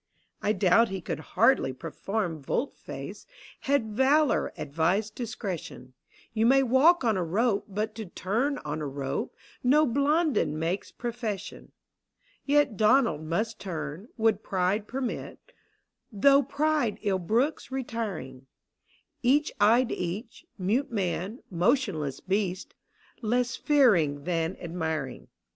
I doubt he could hardly perform volte face Had valour advised discretion : You may walk on a rope, but to turn on a rope N<> Blondin makes profession. Yet Donald must turn, would pride permit, Though pride ill brooks retiring: Each eyed each — mute man, motionless beast — Less fearing than admiring.